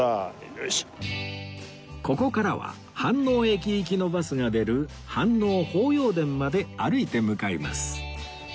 ここからは飯能駅行きのバスが出る飯能法要殿まで歩いて向かいます